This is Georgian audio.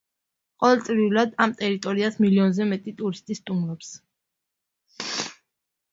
ყოველწლიურად ამ ტერიტორიას მილიონზე მეტი ტურისტი სტუმრობს.